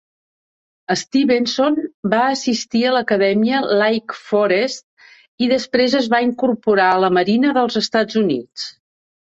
Stevenson va assistir a l"Acadèmia Lake Forest i després es va incorporar a la Marina dels Estats Units.